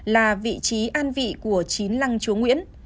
là vị trí an vị của chín lăng chúa nguyễn